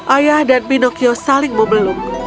ayah dan pinocchio saling memeluk